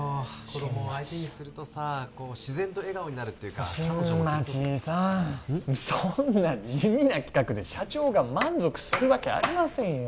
新町さん子供を相手にするとさこう自然と笑顔になるっていうか彼女もきっと新町さんそんな地味な企画で社長が満足するわけありませんよ